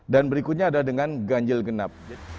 dan berikutnya ada dengan ganjil genap